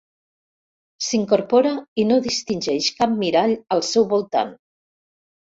S'incorpora i no distingeix cap mirall al seu voltant.